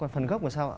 phần gốc là sao ạ